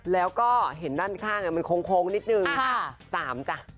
แล้วก็เห็นด้านข้างมันโค้งนิดนึง๓จ้ะ